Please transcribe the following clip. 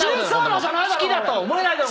好きだとは思えないだろ！